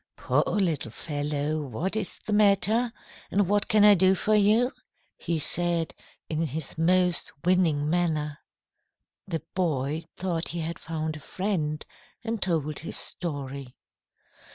"'Poor little fellow! What is the matter? And what can I do for you?' he said, in his most winning manner. "The boy thought he had found a friend, and told his story.